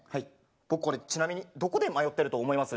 僕これちなみにどこで迷ってると思います？